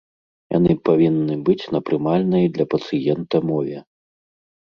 Яны павінны быць на прымальнай для пацыента мове.